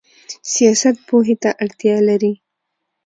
سیاست پوهې ته اړتیا لري؟